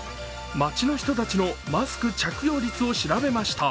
街の人たちのマスク着用率を調べました。